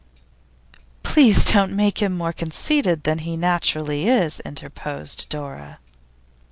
'Please don't make him more conceited than he naturally is,' interposed Dora.